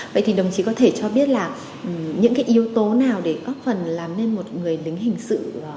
vậy thì đồng chí có thể cho biết là những cái yếu tố nào để góp phần làm nên một người lính hình sự